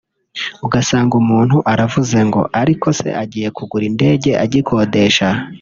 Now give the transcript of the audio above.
ugasanga umuntu aravuze ngo ‘ariko se agiye kugura indege agikodesha